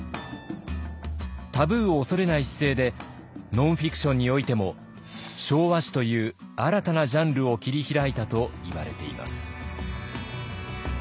タブーを恐れない姿勢でノンフィクションにおいても昭和史という新たなジャンルを切り開いたといわれています。